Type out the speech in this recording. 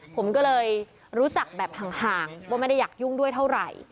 ผมก็เลยรู้จักแบบห่างว่าไม่ได้อยากยุ่งด้วยเท่าไหร่